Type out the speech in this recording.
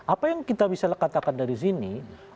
apa yang kita bisa katakan dari sini